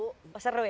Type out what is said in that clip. oh seru ya